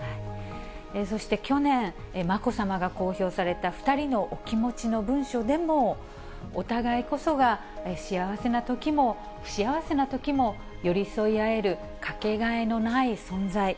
そして、去年、まこさまが公表された２人のお気持ちの文書でも、お互いこそが幸せなときも、不幸せなときも寄り添い合える掛けがえのない存在。